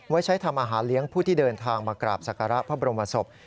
ไว้ใช้ทำอาหารเลี้ยงผู้ที่เดินทางมากราบศักระพระบรมศพ